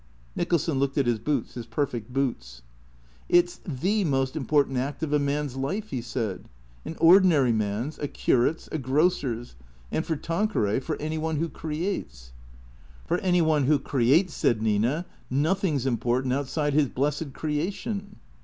Nicholson looked at his boots, his perfect boots. " It 's the most important act of a man's life," he said. " An ordinary man's — a curate's — a grocer's. And for Tan queray — for any one who creates "" For any one who creates," said Nina, " nothing 's important outside his blessed creation."